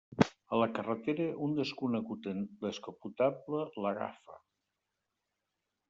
A la carretera, un desconegut en descapotable l'agafa.